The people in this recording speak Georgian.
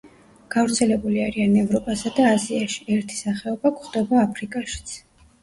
გავრცელებული არიან ევროპასა და აზიაში, ერთი სახეობა გვხვდება აფრიკაშიც.